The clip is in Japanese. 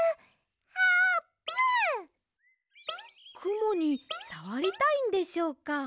くもにさわりたいんでしょうか？